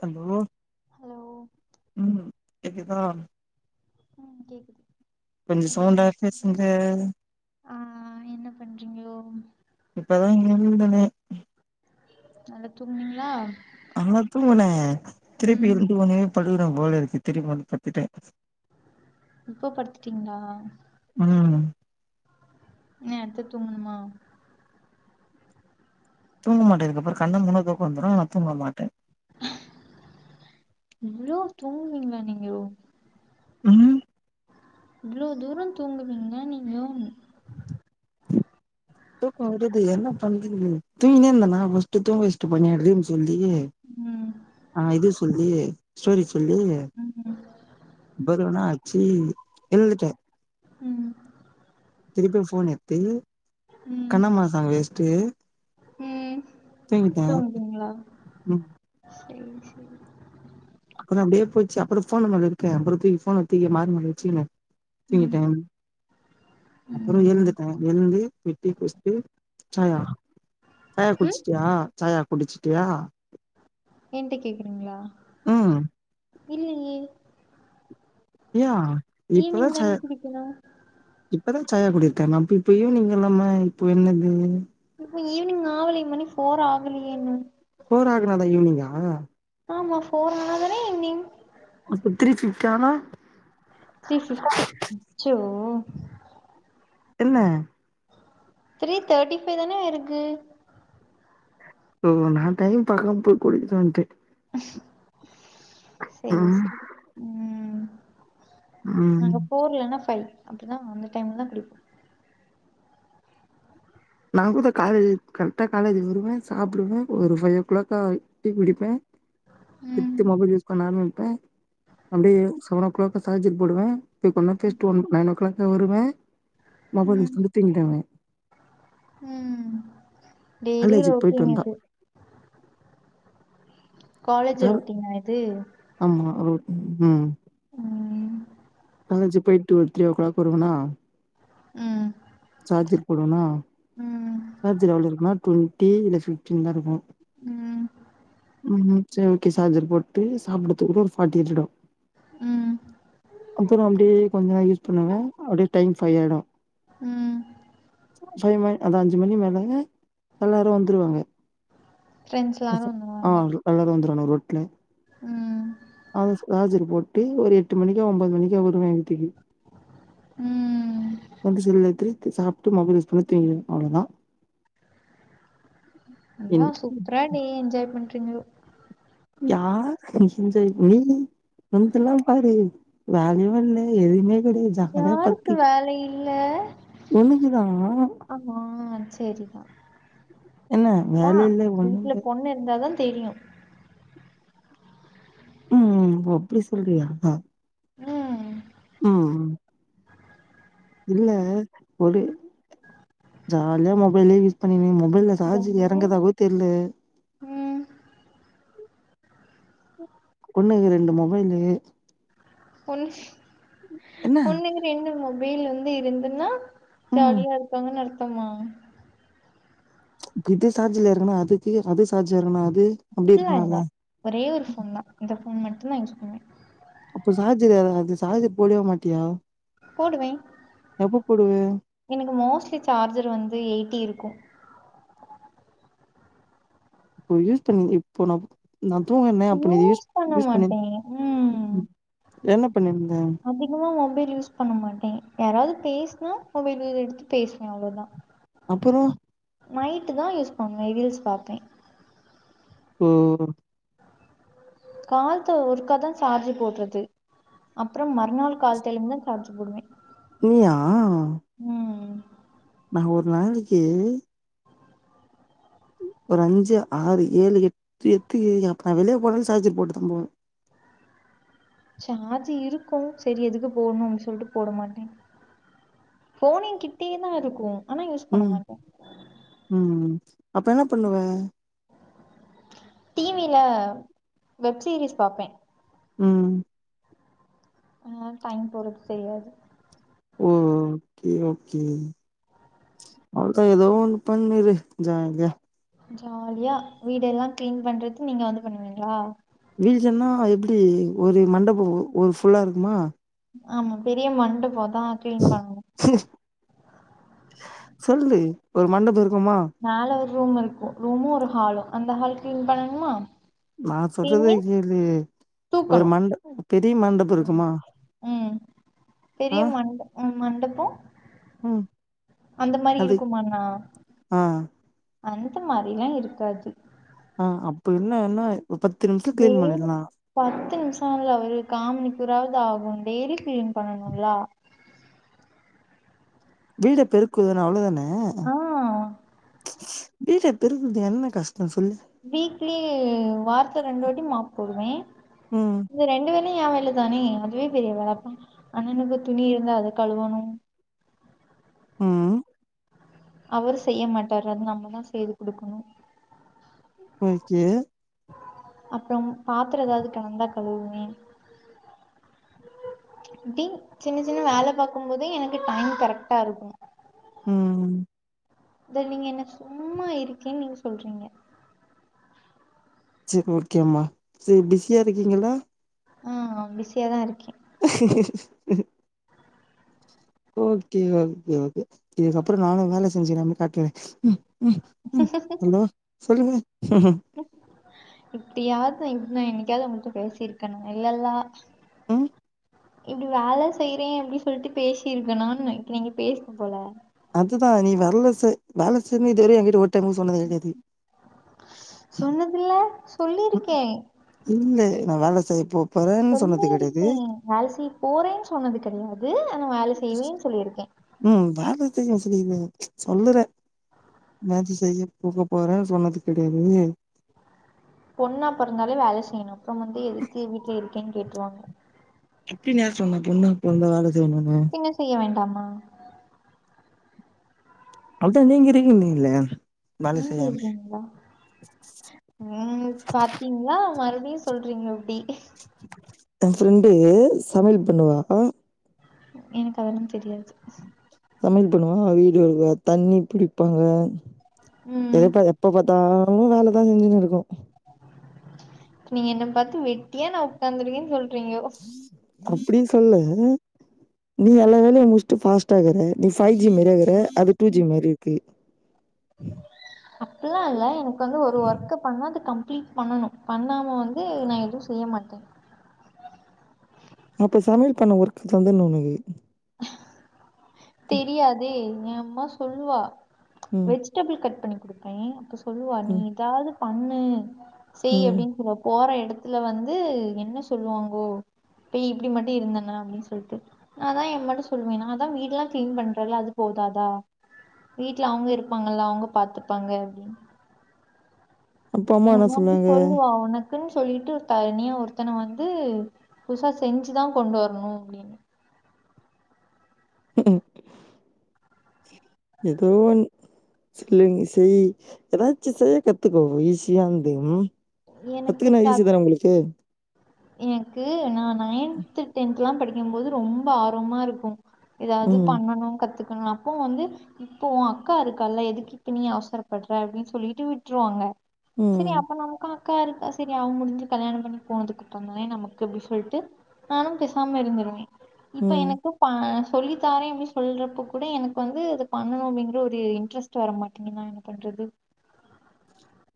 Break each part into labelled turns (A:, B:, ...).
A: hello
B: hello
A: ம் கேக்குதா
B: உம் கேக்குது
A: கொஞ்சோ
B: என்ன
A: சவுண்டா
B: பண்
A: பேசுங்க
B: ஆ என்ன பண்றீங்கோ
A: இப்பதா எழுந்தனே
B: நல்லா தூங்னீங்களா
A: ஆனா தூங்குன திருப்பி
B: ம்
A: எழுந்து வந்தே படுக்குனு போல இருக்கு திரும்பி வந்து படுத்துட்டே
B: இப்ப படுத்துட்டிங்ளா
A: ம்
B: இன்னி அடுத்து தூங்கணுமா
A: தூங்க மாட்ட இதுகப்பறோ கண்ண மூடுணா தூக்கோ வந்துடு ஆனா தூங்க மாட்ட
B: இவ்ளோ தூங்குவீங்களா நீங்க
A: ம்
B: இவ்ளோ தூரோ தூங்குவீங்க நீங்ளு
A: தூக்கோ வருது என்ன பண்றது தூங்கினே இருந்தனா முட்ச்சு தூங்க வச்ட்டு போயின்னே [unintelligible] சொல்லி ல்லயே
B: ம்
A: ஆ இது சொல்லி ஸ்டோரி சொல்லி
B: ம்
A: பருவனா ஆச்சு எழுந்துட்ட
B: ம்
A: திருப்பி ஃபோன் எட்த்து
B: ம்
A: கண்ணம்மா சாங்க வஸ்ட்டு
B: ம் தூங்குறீங்களா
A: ம்
B: சேரி சேரி
A: அப்பறோ அப்டே போச்சு அப்பறோ ஃபோன் நம்பள்ட இருக்கே அப்பறோ தூக்கி ஃபோன தூக்கி மார் மேல வச்சிகினு
B: ம்
A: தூங்கிட்ட அப்புறோ
B: ம்
A: ஏந்துப்ப எழுந்து போய் டீ குட்ச்டு சாயா சாயா
B: ம்
A: குடுச்சிட்டியா சாயா குடுச்சுட்டியா
B: ஏன்ட கேக்குறீங்களா இல்லயே
A: யா
B: ஈவ்னிங் தா குடிக்கணு
A: இப்பதா சாயா குடிக்க மாம் அப்ப இப்ப ஈவ்னிங் இல்லாம இப்போ என்னது
B: இப்ப ஈவ்னிங் ஆவலியே மணி ஃபோர் ஆகலயே இன்னு
A: ஃபோர் ஆகனா தா ஈவ்னிங்கா
B: ஆமா ஃபோர் ஆனா தானே ஈவ்னிங்
A: அப்போ த்ரீ பிஃப்டி ஆனா
B: த்ரீ ஃபிஃப்டி அச்சோ
A: இல்ல
B: த்ரீ தேர்ட்டி ஃபைவ் தான ஆயிருக்கு
A: ஓ நா டைம் பாக்காம போய் குடிச்டு வன்ட
B: செரி
A: ம்
B: செரி ம்
A: ம்
B: நாங்க ஃபோர் இல்லன்னா ஃபைவ் அப்டிதா அந்த டைம்ல தா குடிப்போ
A: நா கூத காலேஜ் கரெக்டா காலேஜ் வருவ சாப்டுவ ஒரு ஃபைவ் ஓ கிளாக்கா டீ குடிப்ப எத்து
B: ம்
A: மொபைல் யூஸ் பண்ண ஆர அ அப்டே செவன் ஓ கிளாக் சார்ஜர் போடுவ போய் கொஞ் [unintelligible] நைன் ஓ க்ளாக் வருவ மொபைல்
B: ம்
A: யூஸ் பண்ட்டு தூங்கிடுவ
B: ம் டெய்லி
A: காலேஜுக்கு போயிட்டு
B: ரொட்டின்
A: வந்தா
B: இது
A: த
B: காலேஜ் ரொட்டீனா இது
A: ஆமா ரொ உம்
B: உம்
A: காலேஜு போயிட்டு ஒரு த்ரீ ஓ கிளாக் வருவனா
B: ம்
A: ஆர்ஜர் போடுவ்னா
B: ம்
A: சார்ஜர் எவ்ளோ இருக்குனா டொன்டி இல்ல ஃபிப்டீன் தாருக்கு
B: ம்
A: ம் சேர் ஓகே சார்ஜர் போட்டு சாப்புட்டகுற்ற ஒரு ஃபாடி எட்டிடு
B: ம்
A: அப்புரொ அப்டே கொஞ்சனா யூஸ் பண்ணுவே அப்டே டைம் ஃபை ஆய்டு
B: ம்
A: ஃபைவ் மண் அதா அஞ்சி மணி மேல எல்லாரு வந்துருவாங்கெ
B: ஃப்ரெண்ட்ஸ் எல்லாரு
A: யசப் ஆ
B: வந்துருவாங்க
A: எல்லாரு வந்துருவனோ ரோட்ல
B: ம்
A: அத ஸ்க்ரார் போட்டு ஒரு எட்டு மணி எ ஒன்பது மணிக்கா வருவே வீட்டிக்கி
B: ம்
A: வந்து செல் எத்து சாப்ட்டு மொபைல் யூஸ் பண்ணி தூங்கிடுவே அவ்ளோதா
B: அதா
A: என்
B: சூப்ரா டே என்ஜாய் பண்றீங்கோ
A: யார் இஞ்ஜய் நீ மந்துல்லா பாரு வேல்யு இல்ல எதிமே
B: யாருக்கு வேல இல்ல
A: ஒண்ணுக்குதா
B: அமா சேரிதா
A: என்ன
B: தா
A: வேல இல்ல ஒண்ணு
B: வீட்ல
A: இல்ல
B: பொண்ணு இருந்தாதா தெரியு
A: ம் ஒ அப்டி சொல்றியா
B: ம்
A: உம் இல்ல ஒரடு ஜால்யா மொபைலே யூஸ் பண்ணினேந்த மெல்ல சார்ஜிர்
B: ஜாலியா
A: எறங்கதாவொ தெர்ல
B: ம்
A: ஒன்னுகு ரெண்டு மொபைலு
B: ஒன்னுஷ்
A: என்ன
B: பொண்ணுகு ரெண்டு மொபெய்ல் வந்து இருந்துன்னா
A: ம்
B: ஜாலியா இருக்காங்கன் அர்த்தமா
A: இது சார்ஜில எறுங்குனா அதுக்கு அது சார்ஜி எறுக்குனா அது அப்டி
B: பில்லா
A: இருக்கலால்ல
B: இல்ல ஒரே ஒரு ஃபோன் தா இந்த ஃபோன் மட்டு தா யூஸ் பண்ணுவே
A: அப்போ சார்ஜ்ர் எறங்காது சாஜர் போடுவ்யா மாட்யா
B: போடுவெ எனக்கு மோஸ்ட்லி சார்ஜர் வந்து எய்ட்டி இருக்கு
A: போ யூஸ் பண்ணி இப்போ நாப் நா தூங்கர்ன்னே அப்போ நீ இது யூஸ் யூஸ் பண்ணி என்ன பண்ணிருந்த
B: அதிக்மா மொபைல் யூஸ் பண்ண மாட்டே யாராவ்து பேஸ்னா மொபைல்யூர் எடுத்து பேஸ்வே அவ்ளோதா
A: அப்பரோ
B: நைட்டு தா யூஸ் பண்ணுவே ரீல்ஸ் பாப்பே
A: ஓ
B: கால்த்தோ ஒருக்காதா சார்ஜி போட்றது அப்ரொ மறுநாள் கால்த்தெலுங் தா சார்ஜ் போடுவே
A: நீயா
B: ம்
A: நா ஒரு நாளிக்கி ஒரு அஞ்சு ஆறு ஏழு எட் எத்து அப்ப நா வெளிய போனாலு சார்ஜர் போட்டுதா போவ
B: சார்ஜி இருக்கு செரி எதுக்கு போட்ணு சொல்ட்டு போட மாட்டே ஃபோன் எ கிட்யே தா இருக்கு ஆனா யூஸ் பண்ண
A: ம்
B: மாட்டே
A: ம்ம் அப்ப என்ன பண்ணுவ
B: டீவீல வெப் சீரீஸ் பாப்பே
A: ம்
B: அ டைம் பொறத் செய்யாது
A: ஓ ஓகே ஓகே அவ்ளதா ஏதோ ஒன்னு பண்ணிரு ஜாலியா
B: ஜாலியா வீடெல்லா கிளீன் பண்றது நீங்க வந்து பண்ணுவீங்ளா
A: வீழ்ஜன்னா எப்டி ஒரு மண்டபோ ஒரு ஃபுல்லா இருக்குமா
B: ஆமா பெரிய மண்டபோ அதா கிளீன் பண்ணுவோ
A: சொல்லு ஒரு மண்டபோ இருக்
B: மேல ஒரு ரூம் இருக்கும் ரூமும் ஒரு ஹாலும் அந்த ஹால் கிளீன் பண்ணணுமா
A: நா
B: கிளீன்
A: சொல்றத
B: மீன்ஸ்
A: கேளு ஒரு
B: தூக்கணு
A: மண்ட பெரிய மண்டபோ
B: ம்
A: இருக்குமா
B: ம்
A: ஆ
B: பெரிய மண்ட மண்டப
A: ம்
B: அந்த மாரி
A: அது
B: இருக்குமாண்ணா
A: ஆ
B: அந்த மாரிலா இருக்காது
A: ஆ அப்ப இன்னு என்னா ஒரு பத்து நிமிஷோ கிளீன் பண்ணிற்லா
B: த்தான்ல அவரு காம்மணிக்குறாவது ஆகும் டெய்லியு கிளீன் பண்ணனுல்ல
A: வீட பெருக்குதான்னு அவ்ளோ தான
B: ஆ
A: வீட பெருக்குறது என்ன கஷ்
B: வீக்லி வார்த்துல ரெண்டு வாட்டி மாஃப் போடுவே
A: ம்
B: இந்த ரெண்டு வேலையு ஏ வன் ல்லதானே அதுவே பெரிய வேல அப்பா அண்ணனுக்கு துணி இருந்தா அத கழுவணும்
A: ம் ம்
B: அவரு செய்ய மாட்டார் அத நம்மதா செய்து குடுக்கணும்
A: ஓகே
B: அப்பறம் பாத்றோ எதாவது கெடந்தா கழுவுவே அப்டி சின்ன சின்ன வேல பாக்கும்போதும் எனக்கு டைம் கரெக்ட்டா இருக்கு
A: ம் ம்
B: இத நீங்க என்ன சும்மா இருக்கேன்னு நீங்க சொல்றீங்க
A: செரி ஓகேம்மா செரி பிஸியா இருக்கீங்களா
B: ஆ ஆ பிஸியாதா இருக்கே
A: [inaudible] ஓகே ஓகே ஓகே இதுக்கப்பறோ நானு வேல செஞ்சுக்கிற மாரி காட்டிக்றே ம் ம் ஹலோ சொல்லுங்க
B: இப்டியாவது இப்டிதா என்னக்காவது உங்கள்ட பேசியிருக்கணும் இல்லல்லா
A: ம்
B: இப்டி வேல செய்றே அப்டி சொல்ட்டு பேசி இருக்கணுன்னு நெனக்கிறே இங்க பேசி இருக்கனு போல
A: அதுதா நீ வர்ல செ வேல செய்னு இதுவர ஏங்கிட்ட ஒர் டைமு சொன்னது கெடையாது
B: சொன்னதில்ல சொல்லிருக்கே
A: இல்ல நா வேல செய்யப்போ
B: சொல்லிருக்கே வேல செய்ய போறேன்னு சொன்னது கெடையாது ஆனா வேல செய்வேன்னு சொல்லியிருக்கே
A: ம் வேல செய்ய சொல்லிருவே சொல்லுற எதாச்சு செய்ய பூக போறேன்னு சொன்னது கெடையாது
B: பொண்ணா பொறந்தாலே வேல செய்யணு அப்பறோ வந்து எதுக்கு வீட்ல இருக்கேன்னு கேட்ருவாங்க
A: அப்டினு யாரு சொன்னது பொண்ணா பொறந்தா வேல செய்யணுன்னு
B: என்ன செய்ய வேண்டாமா
A: அவ்ளதா நீங்க இருக்குனீங்ல
B: நீங்க இருக்கீங்களா ம் பாத்தீங்ளா மறந் ரீ சொல்றீங்க அப்டி
A: ஏ ஃப்ரண்டு சமையல் பண்ணுவா ஆ
B: எனக்கு அதல்லா தெரியாது
A: சமையல் பண்ணுவா வீடு வெலக்குவா தண்ணி பிடிப்பாங்க
B: ம்
A: எடுப்பா எப்ப பார்த்தாலு வேலதா செஞ்சுன்னு இருக்கு
B: நீங்க என்ன பாத்து வெட்டியா நா உக்காந்துருக்கேனு சொல்றீங்கோ
A: அப்டி சொல்ல நீ
B: ம்
A: எல்லா வேலையு முஷ்ட்டு ஃபாஸ்ட்டாகுற நீ ஃபை ஜி மரியேகுற அது டூ ஜி மாருக்கு
B: அப்புல்லா இல்ல எனக்கு வந்து ஒரு ஒர்க்கு பண்ணா அது கம்ப்ளீட் பண்ணனு பண்ணாம வந்து நா எது செய்யமாட்டே
A: அப்ப சமையல் பண்ண உர்க்கு தந்தன்னுனக்கு
B: தெரியாதே என் அம்மா சொல்லுவா
A: ம்
B: வெஜிடெபிள் கட் பண்ணி குடுப்பே அப்ப சொல்லுவா நீ
A: ம்
B: இதாவது பண்ணு செய்
A: ம்
B: அப்டின் சொல்லுவ போற எடத் த்துல வந்து என்ன சொல்லுவாங்கோ பிய் இப்டி மட்டி இருந்தனா அப்டின் சொல்ட்டு நாதா எ மட்டு சொல்லுவே நா தா வீடுலா க்ளீன் பண்றல்ல அது போதாதா வீட்ல அவுங்க இருப்பாங்கல்ல அவுங்க பாத்துப்பாங்க அப்டின்னு
A: அப்ப அம்மா
B: என்
A: என்ன
B: வந்து
A: சொன்னாங்க
B: சொல்லுவா உனக் குன் சொல்லிட்டு ஒரு தனியா ஒருத்தன வந்து புதுசா செஞ்சுதா கொண்டு வர்ணு அப்டின்னு
A: ம் எதோ ஒன் செய் செய் எதாச்சு செய்ய கத்துக்கோ ஈசியாந்து கத்துகுனா ஈசி தான உங்களுக்கு
B: என்க்கு நா நயன்த்து டென்த்லா படிக்கம் போது ரொம்ப ஆர்வமா இருக்கு எதாவது
A: ம்
B: பண்ணணு கத்துக் கன அப்போ வந்து இப்போ உ அக்கா இருக்கால்ல எதுக்கு இப்ப நீ அவசரப்படுற அப்டி சொல்லிட்டு விட்ருவாங்க சரி
A: ம்
B: அப்ப நம் அக்கா இருக்கா சரி அவ முடிஞ்சு கல்யாணம் பண்ணி போனதுக்கப்றந்தானே நமக்கு அப்டி சொல்ட்டு நானும் பெசாம இருந்துருவே இப்ப
A: ம்
B: எனக்கு பா சொல்லித்தாரே அப்டி சொல்றப்ப கூட எனக்கு வந்து அது பண்ணணு அப்டிங்குற ஒரு இன்ட்ரெஸ்ட் வர மாட்டிங்கு நா என்ன பண்ற து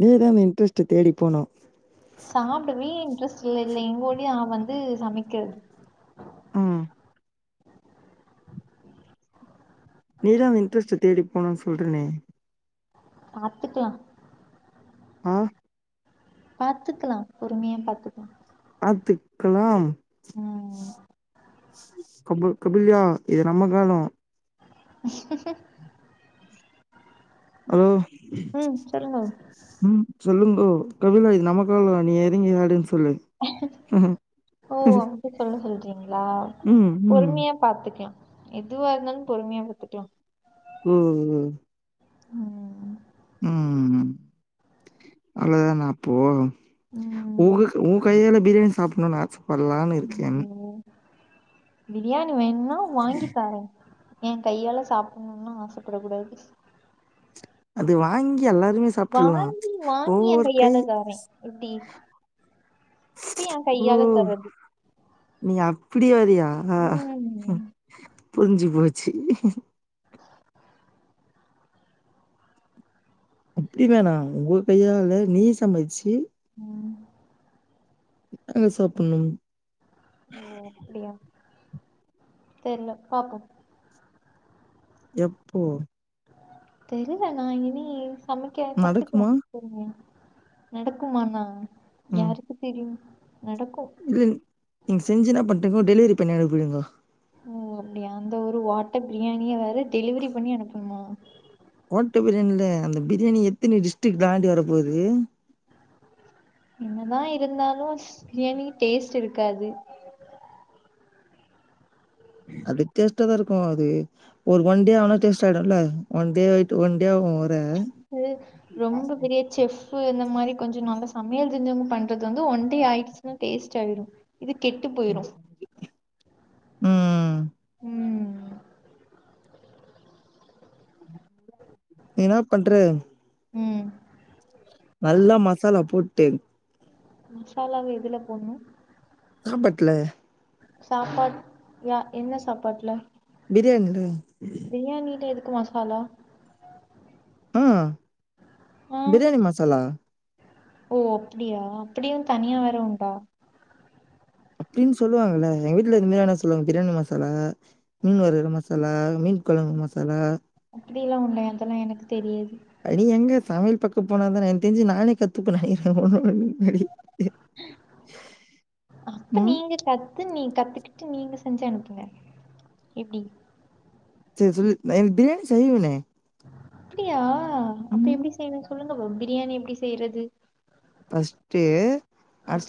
A: நீதா அந்த இன்ட்ரெஸ்ட்ட தேடி போனு
B: சாப்டவே இன்ட்ரெஸ்ட்டில்ல இல்ல எங்கோடியா வந்து சமைக்கிறது
A: ம் நீதா அந்த இன்ட்ரெஸ்ட்ட தேடி போனுன் சொல்றனே
B: பாத்துக்லா
A: ஆஹ்
B: பாத்துக்கலா பொறுமையா பாத்துக்லா
A: பாத்துக்லாம்
B: ம்
A: கபுல் கபுல்யா இது நம்ம காலோ
B: அஷக்கு சார்
A: அலோ ம் சொல்லுங்கோ கபிலா இது நம்ம காலோ நீ எறங்கி ஆடுன் சொல்லு ஹம்
B: ங்களா பொறுமையா பாத்துக்லா எதுவா இருந்தாலும் பொறுமையா பாத்துக்லா
A: ம் ம்
B: ம்
A: ம் அவ்ளோதானா அப்போ
B: ம்
A: உங்ககு உன் கையால பிரியாணி சாப்பட்ணுன்னு ஆசப்பட்லானிருக்கன்
B: ம் பிரியாணி வேணுனா வாங்கி தாரே என் கையால சாப்பட்ணுன் லா ஆசப்படக் கூடாது
A: அது வாங் கி எல்லாருமே சாப்ட்ரல்லா
B: வாங்கி வாங்கி எ
A: ஒவ்வொரு கை
B: கையால தாரே எப்டி இப்ப என்
A: ஓ
B: கையால தர்றது
A: நீ அப்பிடி வறியா
B: ம்
A: புரிஞ்சு போச்சு அப்டி வேணா உங்க கையால நீ சமச்சு
B: ம்
A: நாங்க சாப்ணும்
B: ஓ அப்டியா தெரில பாப்போ
A: எப்போ
B: தெர்ல நா இனி சமைக்க கத்துக்குவ
A: நடக்குமா
B: பொறுமையா நடக்குமானா
A: ம்
B: யாருக்கு தெரியு நடக்கு
A: ப்போ டெலிவரி பண்ணி அனுப்ப விடுங்கோ
B: ஓ அப்டியா அந்த ஒரு ஓட்ட பிரியாணிய வேற டெலிவரி பண்ணி அனுப்பணுமா
A: ஓட்ட பிரியாணில அந்த பிரியாணி எத்தினி டிஸ்டரிக் தாண்டி வரப்போது
B: என்னதா இருந்தாலு பிரியாணி டேஸ்ட் இருக்காது
A: அது டேஸ்ட்ட தா இருக்கு அது ஒரு ஒன் டே ஆனா டேஸ்ட் ஆயிடுல்ல ஒன் டே ஆயிட்டு ஒன் டே ஆ
B: இது ரொம்ப பெரிய செஃப்பு இந்த மாரி கொஞ்சோ நல்லா சமையல் தெரிஞ்சவங்க பண்றது வந்து ஒன் டே ஆயிடுச்சுன்னா டேஸ்ட் ஆயிரு இது கெட்டு போயிரு
A: ம்
B: ம்
A: என்னாப் பண்ற
B: ம்
A: நல்லா மசாலா போட்டு
B: மசாலாவ எதுல போடணு
A: சாப்ட்டல
B: சாப்பாட் யா என்ன சாப்பாட்டுல
A: பிரியாணில
B: எதுக்கு மசாலா
A: ஆ
B: ஆ
A: பிரியாணி மசாலா
B: ஓ அப்டியா அப்டியு தனியா வேற உண்டா
A: அப்டின்னு சொல்லுவாங்கல்ல எங்க வீட்டுல இது மாரி ஆனா சொல்லுவாங்க பிரியாணி மசாலா மீன் வருகற மசா லா மீன் கொழம்பு மசாலா
B: அப்டியெலா உண்ட அதெல்லா எனக்கு தெரியாது
A: நீ எங்க சமையல் பக்கம் போனா தானா எனக்குத் தெரிஞ்சு நானே கத்துப்ப நனகறே [unintelligible]
B: அப்ப
A: ம்
B: நீங்க கத்து நீ கத்துக்கிட்டு நீங்க செஞ்சு அனுப்புங்க எப்டி
A: இத சொல்லு ந எனக் பிரியாணி செய்வனே
B: அப்டியா அப்ப எப்டி செய்யணு சொல்லுங்க ப பிரியாணி எப்டி செய்யறது
A: பஸ்டு அ